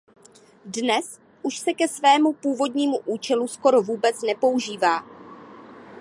Dnes už se ke svému původnímu účelu skoro vůbec nepoužívá.